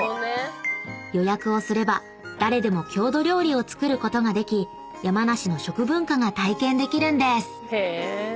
［予約をすれば誰でも郷土料理を作ることができ山梨の食文化が体験できるんです］